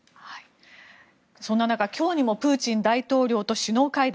そんな中、今日にもプーチン大統領と首脳会談。